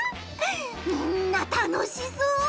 みんな楽しそう！